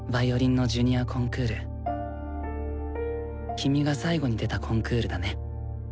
君が最後に出たコンクールだね。